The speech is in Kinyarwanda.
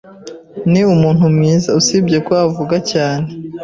Ni umuntu mwiza, usibye ko avuga cyane.